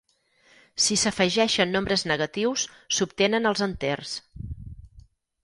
Si s'afegeixen nombres negatius, s'obtenen els enters.